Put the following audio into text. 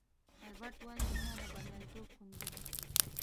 البرټ وایي مینه د بریالیتوب کونجي ده.